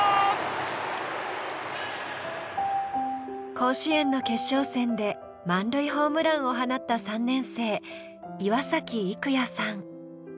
甲子園の決勝戦で満塁ホームランを放った３年生、岩崎生弥さん。